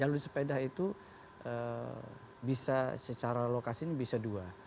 jalur sepeda itu bisa secara lokasi ini bisa dua